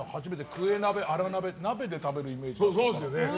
クエ鍋、アラ鍋鍋で食べるイメージだった。